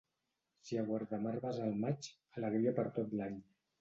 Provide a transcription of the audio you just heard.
Si a Guardamar vas al maig, alegria per tot l'any.